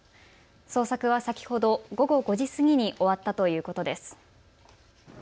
捜索は先ほど午後５時過ぎに終わったということです。